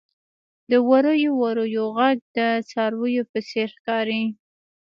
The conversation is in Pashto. • د وریو وریو ږغ د څارويو په څېر ښکاري.